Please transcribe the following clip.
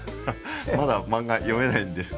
まだ漫画読めないんです。